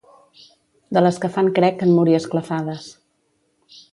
De les que fan crec en morir esclafades.